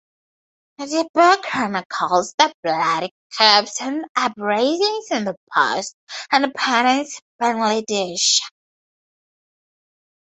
The book chronicles the bloody coups and uprisings in the post-independence Bangladesh.